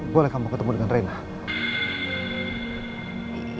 boleh kamu ketemu dengan reinhardt